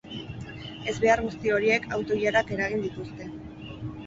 Ezbehar guzti horiek auto-ilarak eragin dituzte.